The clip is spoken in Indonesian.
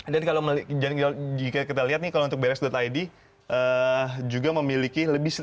dan kalau kita lihat nih kalau untuk brs id juga memiliki lebih detail